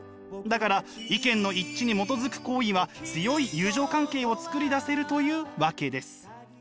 だから意見の一致にもとづく好意は強い友情関係を作り出せるというわけです。